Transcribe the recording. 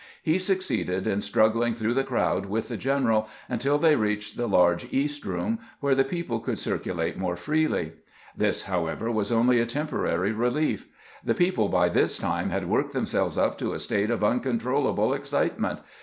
He succeeded in strug gling through the crowd with the general until they IN COMMAND OF ALL THE ABMIES 21 reached the large East Eoom, where the people eotild circulate more freely. This, however, was only a tem porary relief. The people by this time had worked themselves up to a state of uncontrollable excitement.